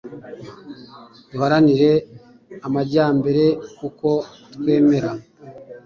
duharanira amajyambere kuko twemera